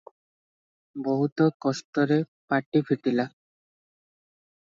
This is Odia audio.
ବହୁତ କଷ୍ଟରେ ପାଟି ଫିଟିଲା ।